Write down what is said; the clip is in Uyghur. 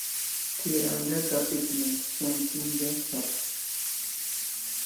تېرەڭدە داپ ئېتىمەن، سۆڭىكىڭدە ساپ.